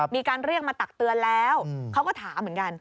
มีการเรียกมาตักเตือนแล้วเขาก็ถามเหมือนกัน